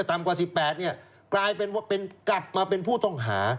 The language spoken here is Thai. ต่ำกว่า๑๘เนี่ยกลายเป็นว่าเป็นกลับมาเป็นผู้ต้องหา